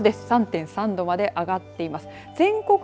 ３．３度まで上がっています。